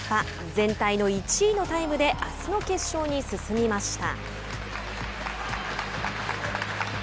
全体の１位のタイムであすの決勝に進みました。